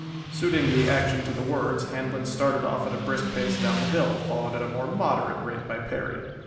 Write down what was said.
Suiting the action to the words Handlon started off at a brisk pace down the hill, followed at a more moderate rate by Perry.